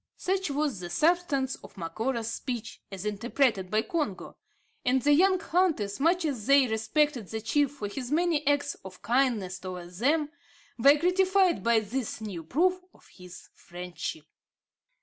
Such was the substance of Macora's speech, as interpreted by Congo; and the young hunters, much as they respected the chief for his many acts of kindness towards them, were gratified by this new proof of his friendship.